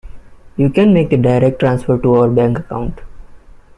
You can make a direct transfer to our bank account.